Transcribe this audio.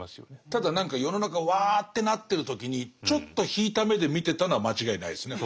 ただ何か世の中ワーッてなってる時にちょっと引いた目で見てたのは間違いないですね。